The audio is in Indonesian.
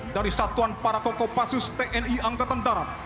dari satuan paracoco pasus tni angkatan darat